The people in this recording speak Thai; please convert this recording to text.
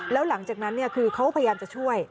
แล้วหลังจากนั้นคือเขาพยายามจะช่วย